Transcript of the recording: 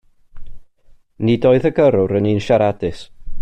Nid oedd y gyrrwr yn un siaradus.